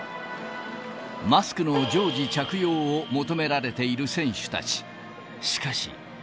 マスクの常時着用を求められている選手たち。